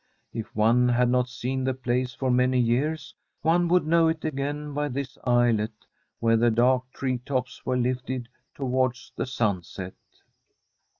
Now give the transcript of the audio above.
If one had not seen the place (ur umny years» one would know it again by this i^let* where the dark tree tops were lifted towards the »unset.